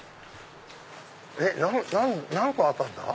何個あったんだ？